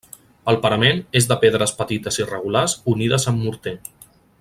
El parament és de pedres petites irregulars unides amb morter.